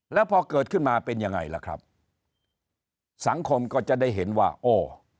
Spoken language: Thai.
แล้วพอเกิดขึ้นมาเป็นยังไงล่ะครับสังคมก็จะได้เห็นว่าโอ้